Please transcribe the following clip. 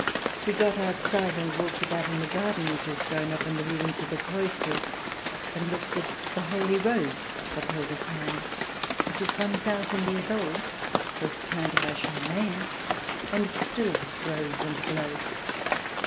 We got outside and walked about in the garden which has grown up in the ruins of the cloisters, and looked at the Holy Rose of Hildesheim, which is one thousand years old, was planted by Charlemagne, and still grows and blows.